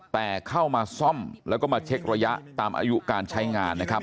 แต่เข้ามาซ่อมแล้วก็มาเช็กระยะตามอายุการใช้งานนะครับ